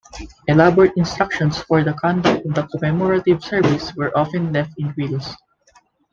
Elaborate instructions for the conduct of the commemorative service were often left in wills.